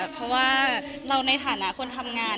เพราะว่าเราในฐานะคนทำงาน